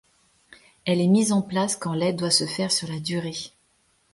Elle est mise en place quand l'aide doit se faire sur la durée.